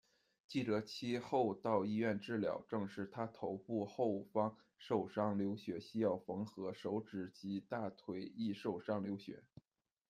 记者其后到医院治疗，证实他头部后方受伤流血需要缝合，手指及大腿亦受伤流血。